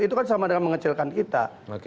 itu kan sama dengan mengecilkan kita